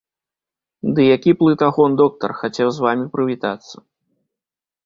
Ды які плытагон доктар, хацеў з вамі прывітацца.